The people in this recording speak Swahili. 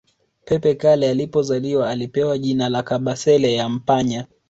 Pepe Kalle alipozaliwa alipewa jina la Kabasele Yampanya